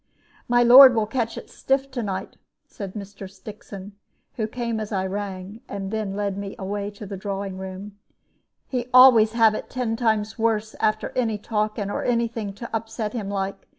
"My lord will catch it stiff to night," said Mr. Stixon, who came as I rang, and then led me away to the drawing room; "he always have it ten times worse after any talking or any thing to upset him like.